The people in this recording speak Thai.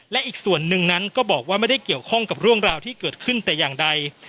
และอีกส่วนหนึ่งนั้นก็บอกว่าไม่ได้เกี่ยวข้องกับเรื่องราวที่เกิดขึ้นแต่อย่างใด